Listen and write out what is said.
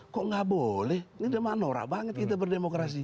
kok nggak boleh ini memang norak banget kita berdemokrasi